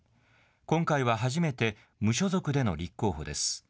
今回は初めて、無所属での立候補です。